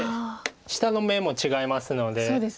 下の眼も違いますので。